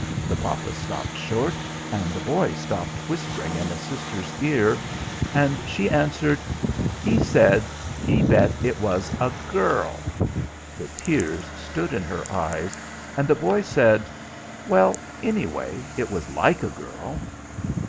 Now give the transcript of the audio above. The papa stopped short, and the boy stopped whispering in his sister's ear, and she answered: "He said he bet it was a girl!" The tears stood in her eyes, and the boy said: "Well, anyway, it was like a girl."